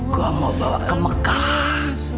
kau mau bawa ke mekah